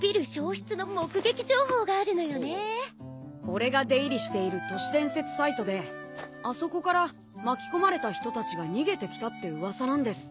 俺が出入りしている都市伝説サイトであそこから巻き込まれた人たちが逃げてきたって噂なんです。